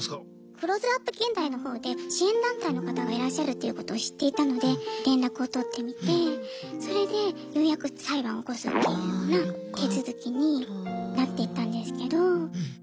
「クローズアップ現代」のほうで支援団体の方がいらっしゃるということを知っていたので連絡を取ってみてそれでようやく裁判を起こすっていうような手続きになってったんですけど。